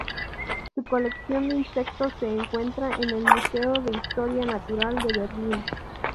Su colección de insectos se encuentra en el Museo de Historia Natural de Berlín.